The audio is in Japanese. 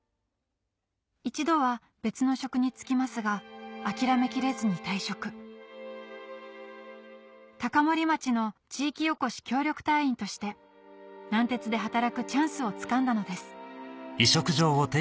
一度は別の職に就きますが諦めきれずに退職として南鉄で働くチャンスをつかんだのです